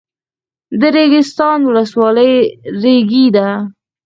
د ریګستان ولسوالۍ ریګي ده